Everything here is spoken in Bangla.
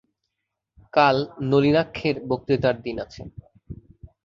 কাল নলিনাক্ষের বক্তৃতার দিন আছে।